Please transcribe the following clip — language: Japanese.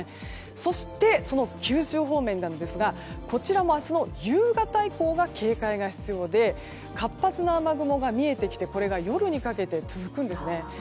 そして、九州方面ですがこちらは明日の夕方以降警戒が必要で活発な雨雲が見えてきてこれが夜にかけて続くんですね。